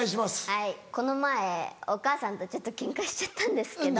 はいこの前お母さんとちょっとケンカしちゃったんですけど。